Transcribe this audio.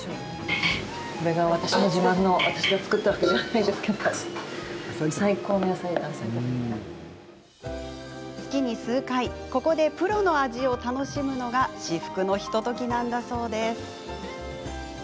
私が作ったわけじゃないですけど月に数回ここでプロの味を楽しむのが至福のひとときなんだそうです。